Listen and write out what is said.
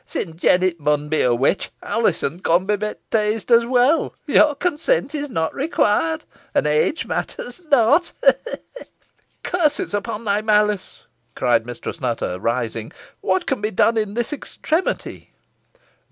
"Sin Jennet mun be a witch, Alizon con be bapteesed os weel. Your consent is not required and age matters not ha! ha!" "Curses upon thy malice," cried Mistress Nutter, rising. "What can be done in this extremity?"